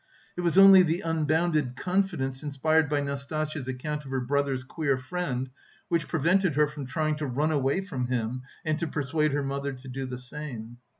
It was only the unbounded confidence inspired by Nastasya's account of her brother's queer friend, which prevented her from trying to run away from him, and to persuade her mother to do the same.